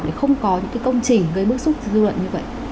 để không có những cái công trình gây bước xuất dư luận như vậy